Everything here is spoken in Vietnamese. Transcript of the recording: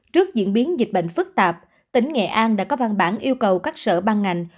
trước diễn biến dịch bệnh phức tạp tỉnh nghệ an đã có văn bản yêu cầu các sở ban ngành